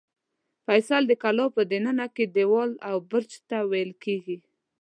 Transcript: فصیل د کلا په دننه کې دېوال او برج ته ویل کېږي.